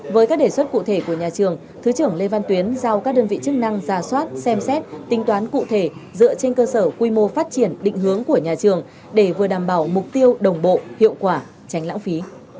với các đề xuất cụ thể của nhà trường thứ trưởng lê văn tuyến giao các đơn vị chức năng giả soát xem xét tính toán cụ thể dựa trên cơ sở quy mô phát triển định hướng của nhà trường để vừa đảm bảo mục tiêu đồng bộ hiệu quả tránh lãng phí